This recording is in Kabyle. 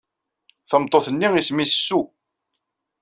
Tameṭṭut-nni isem-nnes Sue.